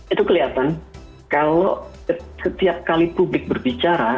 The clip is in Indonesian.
itu kelihatan kalau setiap kali publik berbicara